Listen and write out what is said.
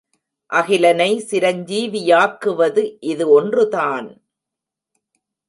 அகிலனை சிரஞ்சீவியாக்குவது இது ஒன்றுதான்!